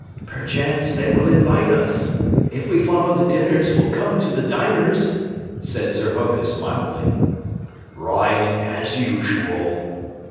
"Perchance they will invite us. If we follow the dinners, we'll come to the diners," said Sir Hokus mildly. "Right as usual."